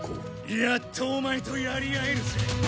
やっとお前とやり合えるぜ。